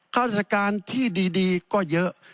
ข้าราชการที่ดีก็เยอะ